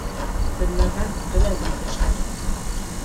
Белмәгән беләген тешләр.